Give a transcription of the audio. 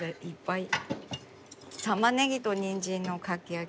たまねぎとにんじんのかき揚げ。